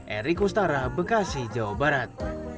erick ustara bekasi jawa barat